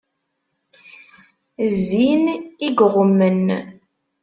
Zzin i iɣummen.